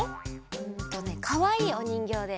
うんとねかわいいおにんぎょうで。